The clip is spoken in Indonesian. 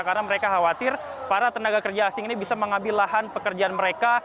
karena mereka khawatir para tenaga kerja asing ini bisa mengambil lahan pekerjaan mereka